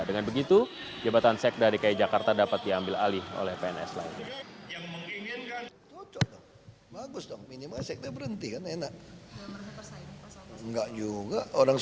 dengan begitu jabatan sekda dki jakarta dapat diambil alih oleh pns lainnya